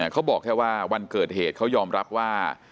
เขาบอกแค่ว่าวันเกิดเหตุเขายอมรับว่า